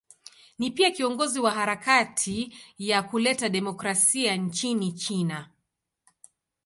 Ni pia kiongozi wa harakati ya kuleta demokrasia nchini China.